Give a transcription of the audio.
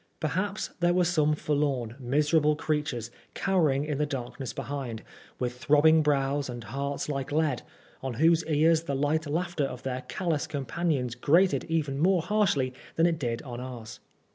Perhaps there were some forlorn, miserable creatures cowering in the darkness behind, with throbbing brows and hearts like lead, on whose ears the light laughter of their callous companions grated even more harshly than it did on ours.